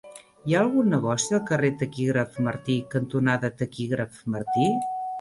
Hi ha algun negoci al carrer Taquígraf Martí cantonada Taquígraf Martí?